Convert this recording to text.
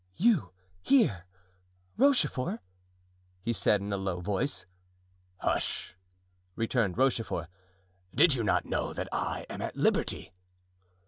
"You here, Rochefort?" he said, in a low voice. "Hush!" returned Rochefort. "Did you know that I am at liberty?"